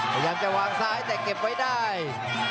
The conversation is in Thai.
พยายามจะวางซ้ายแต่เก็บไว้ได้